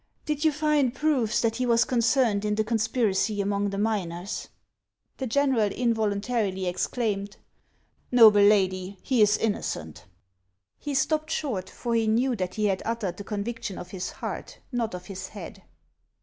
'• Did you find proofs that he was concerned in the con spiracy among the miners ?" The general involuntarily exclaimed, " Xoble lady, he is innocent." He stopped short, for he knew that he had uttered the conviction of his heart, not of his head.